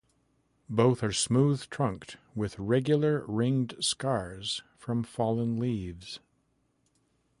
Both are smooth-trunked, with regular ringed scars from fallen leaves.